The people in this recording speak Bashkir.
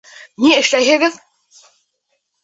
Ни эшләйһегеҙ?